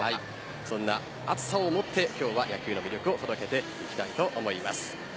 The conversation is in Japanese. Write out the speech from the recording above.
そんな暑さをもって今日は野球の魅力を届けていきたいと思います。